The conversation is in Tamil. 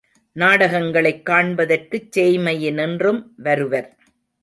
நாடகங்களைக் காண்பதற்குச் சேய்மையினின்றும் வருவர்.